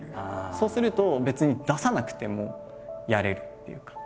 そうすると別に出さなくてもやれるっていうか。